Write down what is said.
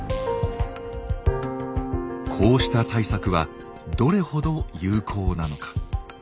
こうした対策はどれほど有効なのか。